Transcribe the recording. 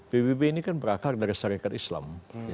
pbb ini kan berakar dari syarikat islam